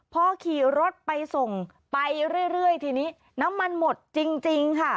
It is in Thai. พอขี่รถไปส่งไปเรื่อยทีนี้น้ำมันหมดจริงค่ะ